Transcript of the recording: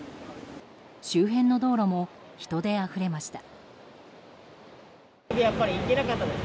周辺の道路も人であふれました。